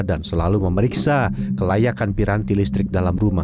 dan selalu memeriksa kelayakan piranti listrik dalam rumah